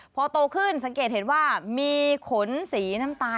พอโตขึ้นสังเกตเห็นว่ามีขนสีน้ำตาล